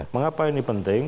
mengapa ini penting